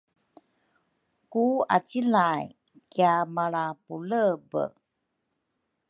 ku acilay kiamalra pulebe.